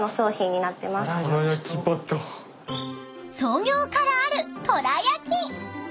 ［創業からあるとらやき］